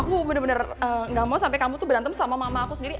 aku bener bener gak mau sampai kamu tuh berantem sama mama aku sendiri